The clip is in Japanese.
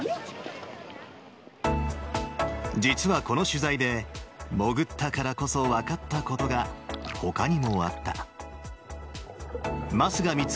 実はこの取材で、潜ったからこそ分かったことがほかにもあった。